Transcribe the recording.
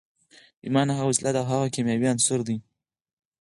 ایمان هغه وسیله او هغه کیمیاوي عنصر دی